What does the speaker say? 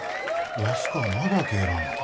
安子はまだ帰らんのか。